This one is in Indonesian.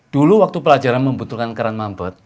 dulu waktu pelajaran membutuhkan keran mambet